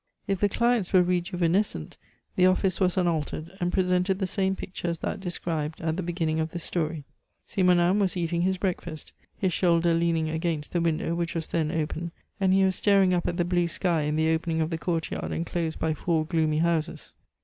If the clients were rejuvenescent, the office was unaltered, and presented the same picture as that described at the beginning of this story. Simonnin was eating his breakfast, his shoulder leaning against the window, which was then open, and he was staring up at the blue sky in the opening of the courtyard enclosed by four gloomy houses.